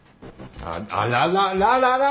あららら！？